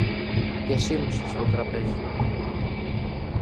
και σίμωσε στο τραπέζι.